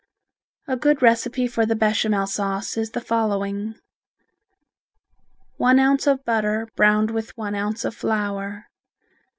A good recipe for the Bechamel sauce is the following: One ounce of butter browned with one ounce of flour.